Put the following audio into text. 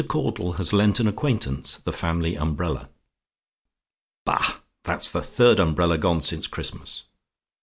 CAUDLE HAS LENT AN ACQUAINTANCE THE FAMILY UMBRELLA "Bah! That's the third umbrella gone since Christmas.